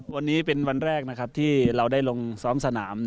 วันนี้เป็นวันแรกนะครับที่เราได้ลงซ้อมสนาม